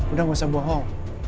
udah gak usah bohong